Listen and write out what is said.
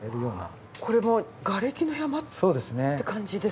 これもがれきの山って感じですね。